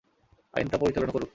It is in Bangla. আইন তা পরিচালনা করুক।